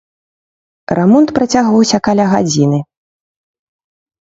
Рамонт працягваўся каля гадзіны.